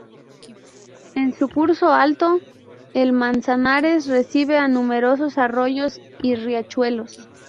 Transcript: En su curso alto, el Manzanares recibe a numerosos arroyos y riachuelos.